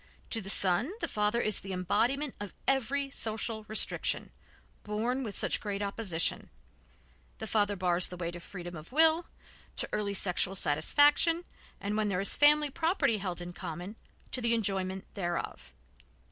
To the son the father is the embodiment of every social restriction, borne with such great opposition; the father bars the way to freedom of will, to early sexual satisfaction, and where there is family property held in common, to the enjoyment thereof.